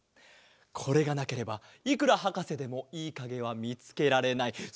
これがなければいくらはかせでもいいかげはみつけられない。